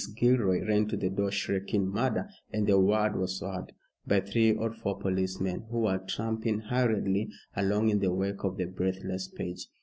Gilroy ran to the door shrieking murder, and the word was heard by three or four policemen who were tramping hurriedly along in the wake of the breathless page.